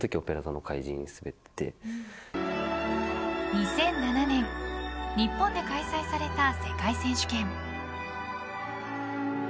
２００７年日本で開催された世界選手権。